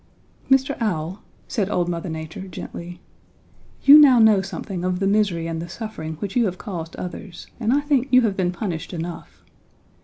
"'Mr. Owl,' said old Mother Nature gently, 'you now know something of the misery and the suffering which you have caused others, and I think you have been punished enough.